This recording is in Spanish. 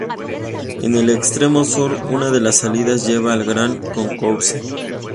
En el extremo sur, una de las salidas lleva al Grand Concourse.